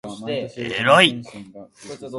えらい！！！！！！！！！！！！！！！